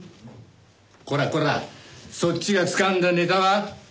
コラコラそっちがつかんだネタは？